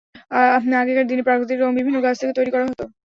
আগেকার দিনে প্রাকৃতিক রঙ বিভিন্ন গাছ থেকে তৈরি করা হত।